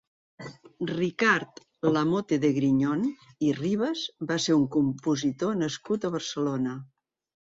Ricard Lamote de Grignon i Ribas va ser un compositor nascut a Barcelona.